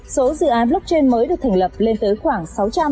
số dự án blockchain mới được thành lập lên tới khoảng sáu trăm linh